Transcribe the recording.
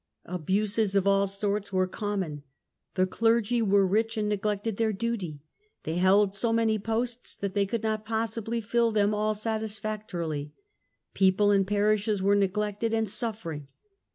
Abuses of all sorts were common ; the clergy were rich and neglected their duty, they held so many posts that they could not possibly fill them all satisfactorily ; people and parishes were neglected and suffering.